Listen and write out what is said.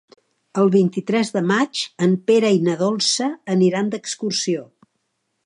El vint-i-tres de maig en Pere i na Dolça aniran d'excursió.